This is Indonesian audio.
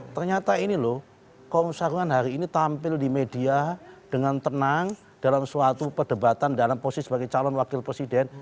ternyata ini loh kaum sarungan hari ini tampil di media dengan tenang dalam suatu perdebatan dalam posisi sebagai calon wakil presiden